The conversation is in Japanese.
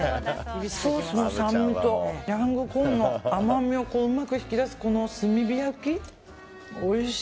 ソースの酸味とヤングコーンの甘みをうまく引き出すこの炭火焼き？